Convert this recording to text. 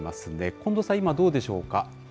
近藤さん、今どうでしょうか。